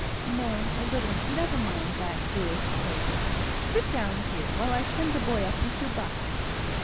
"No a little never mind that, dearest Faith. Sit down here, while I send the boy up with your box."